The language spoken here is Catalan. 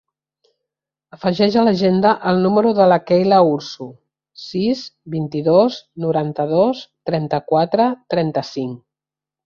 Afegeix a l'agenda el número de la Keyla Ursu: sis, vint-i-dos, noranta-dos, trenta-quatre, trenta-cinc.